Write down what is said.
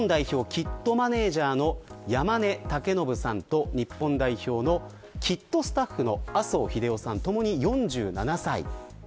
キットマネージャーの山根威信さんと日本代表のキットスタッフの麻生英雄さんともに４７歳です。